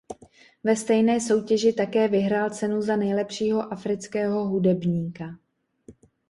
Ve stejné soutěži také vyhrál cenu za nejlepšího afrického hudebníka.